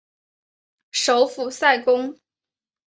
首府塞公。